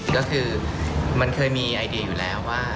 ก็คือมันเคยมีไอเดียอยู่แล้วว่า